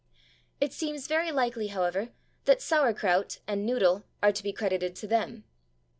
It seems very likely, however, that /sauerkraut/ and /noodle/ are to be credited to them.